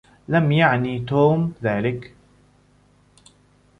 لم يعني توم ذلك.